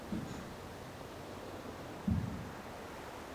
秘书监牛弘以德源推荐他与着作郎王邵同修国史。